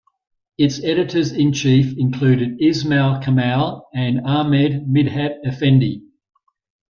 Its editors in chief included Ismail Kemal and Ahmed Midhat Efendi.